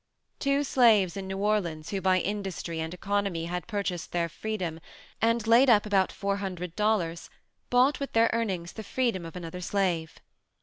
Two slaves in New Orleans who by industry and economy had purchased their freedom and laid up about $400, bought with their earnings the freedom of another slave.